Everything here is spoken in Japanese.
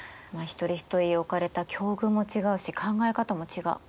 一人一人置かれた境遇も違うし考え方も違う。